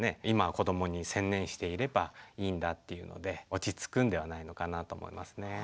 今は子どもに専念していればいいんだっていうので落ち着くんではないのかなと思いますね。